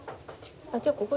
ああ。